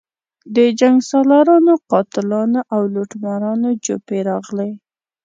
د جنګسالارانو، قاتلانو او لوټمارانو جوپې راغلي.